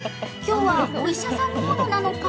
すると今日はお医者さんモードなのか？